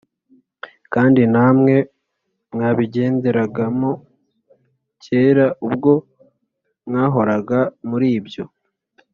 Kandi namwe mwabigenderagamo kera, ubwo mwahoraga muri byo